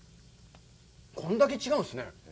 こんだけ違うんですね。